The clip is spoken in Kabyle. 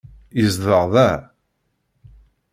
Yezdeɣ da.